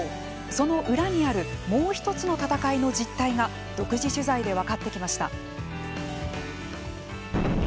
その裏にあるもう一つの戦いの実態が独自取材で分かってきました。